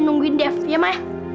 nungguin def ya ma